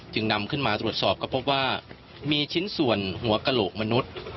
นำขึ้นมาตรวจสอบก็พบว่ามีชิ้นส่วนหัวกระโหลกมนุษย์